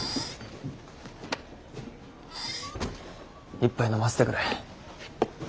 一杯飲ませてくれ。